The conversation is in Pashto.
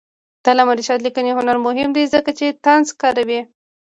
د علامه رشاد لیکنی هنر مهم دی ځکه چې طنز کاروي.